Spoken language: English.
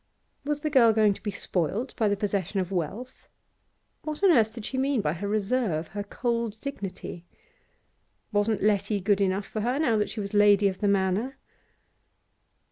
Was the girl going to be spoilt by the possession of wealth? What on earth did she mean by her reserve, her cold dignity? Wasn't Letty good enough for her now that she was lady of the Manor?